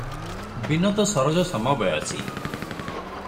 ବିନୋଦ ସରୋଜ ସମବୟସୀ ।